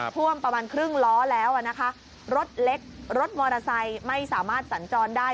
ท่วมประมาณครึ่งล้อแล้วอ่ะนะคะรถเล็กรถมอเตอร์ไซค์ไม่สามารถสัญจรได้